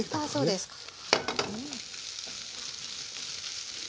そうですか。